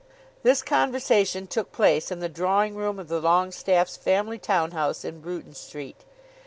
This conversation took place in the drawing room of the Longestaffes' family town house in Bruton Street.